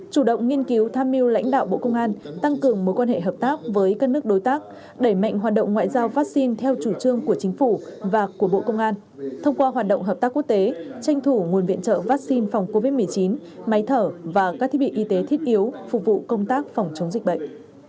chủ động nghiên cứu tham mưu lãnh đạo bộ công an tăng cường mối quan hệ hợp tác với các nước đối tác đẩy mạnh hoạt động ngoại giao vaccine theo chủ trương của chính phủ và của bộ công an thông qua hoạt động hợp tác quốc tế tranh thủ nguồn viện trợ vaccine phòng covid một mươi chín máy thở và các thiết bị y tế thiết yếu phục vụ công tác phòng chống dịch bệnh